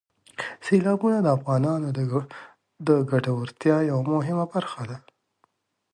سیلابونه د افغانانو د ګټورتیا یوه مهمه برخه ده.